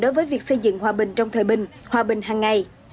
đối với việc xây dựng hòa bình trong thời bình hòa bình hằng ngày